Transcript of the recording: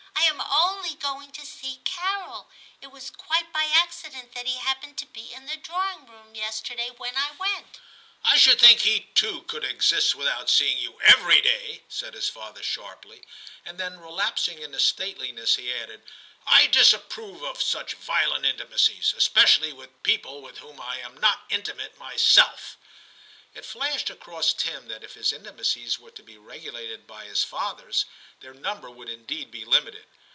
* I am only going to see Carol ; it was quite by accident that he happened to be in the drawing room yesterday when I went.' 206 TIM CHAP. * I should think he too could exist without seeing you every day/ said his father sharply, and then relapsing into stateliness, he added, * I disapprove of such violent intimacies, especially with people with whom I am not intimate myself/ It flashed across Tim that if his intimacies were to be regulated by his father's, their number would indeed be limited.